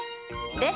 で？